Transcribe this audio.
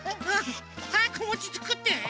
はやくもちつくって。